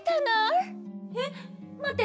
えっまって！